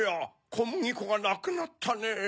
こむぎこがなくなったねぇ。